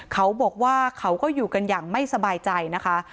เขาบอกว่าเขาก็อยู่กันอย่างไม่สบายใจนะคะ